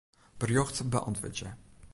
Berjocht beäntwurdzje.